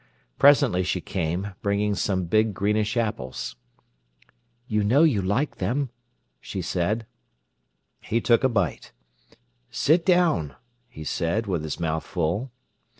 Presently she came, bringing some big greenish apples. "You know you like them," she said. He took a bite. "Sit down," he said, with his mouth full.